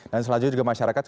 dan selanjutnya juga masyarakat